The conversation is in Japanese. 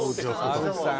沢口さん